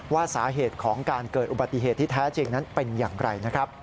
ว่าสาเหตุของการเกิดอุบัติเหตุที่แท้จริงนั้นเป็นอย่างไรนะครับ